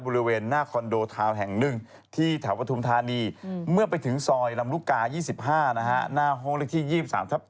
บริเวณหน้าคอนโดทาวน์แห่ง๑ที่แถวปฐุมธานีเมื่อไปถึงซอยลำลูกกา๒๕หน้าห้องเลขที่๒๓ทับ๗